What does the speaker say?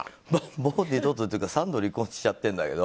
もう二度とというか３度離婚しちゃってるんだけど。